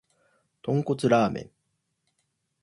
豚骨ラーメン